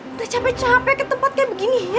udah capek capek ke tempat kayak begini ya